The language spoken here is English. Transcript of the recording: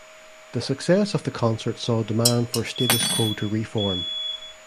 The success of the concert saw demand for Status Quo to reform.